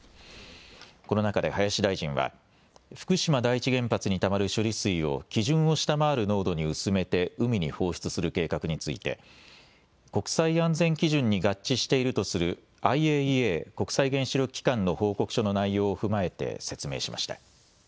この中で林大臣は福島第一原発にたまる処理水を基準を下回る濃度に薄めて海に放出する計画について国際安全基準に合致しているとするＩＡＥＡ・国際原子力機関の報告書の内容を踏まえて説明しました。